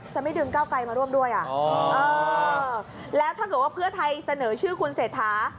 จะไม่ดึงก้าวไกลมาร่วมด้วยแล้วถ้าเกิดว่าเพื่อไทยเสนอชื่อคุณเศรษฐา